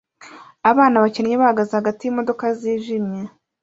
Abana bakennye bahagaze hagati yimodoka zijimye